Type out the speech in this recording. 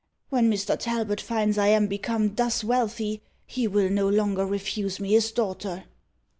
When Mr. Talbot finds I am become thus wealthy, he will no longer refuse me his daughter.